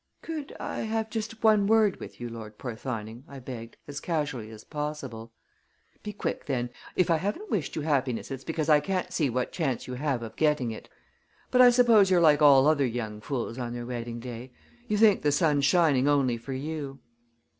"Could I have just one word with you, Lord Porthoning?" I begged, as casually as possible. "Be quick, then! If I haven't wished you happiness it's because I can't see what chance you have of getting it. But I suppose you're like all other young fools on their wedding day you think the sun's shining only for you!"